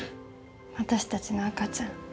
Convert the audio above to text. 「私たちの赤ちゃん」